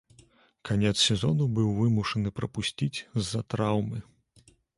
Канец сезона быў вымушаны прапусціць з-за траўмы.